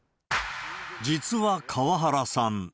実は河原さん。